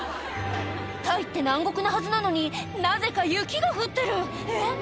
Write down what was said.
タイって南国なはずなのになぜか雪が降ってるえっ